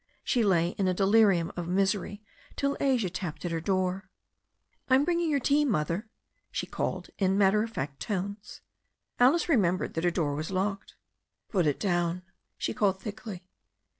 She lay in a delirium of misery till Asia tapped at her door. "I*m bringing your tea, Mother," she called, in matter of fact tones. Alice remembered that her door was locked. "Put it down," she called thickly.